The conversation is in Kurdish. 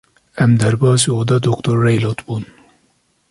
Em derbasî oda Dr. Rweylot bûn.